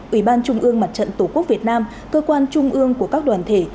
ủy ban trung ương mặt trận tổ quốc việt nam cơ quan trung ương của các đoàn thể